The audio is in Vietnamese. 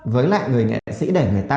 với lại người nghệ sĩ để người ta